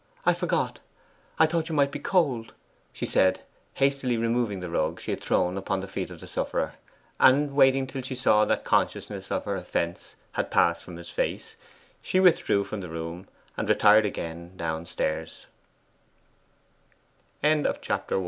I forgot; I thought you might be cold,' she said, hastily removing the rug she had thrown upon the feet of the sufferer; and waiting till she saw that consciousness of her offence had passed from his face, she withdrew from the room, and retired again dow